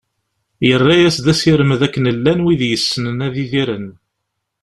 Yerra-as-d asirem d akken llan wid yessnen ad idiren.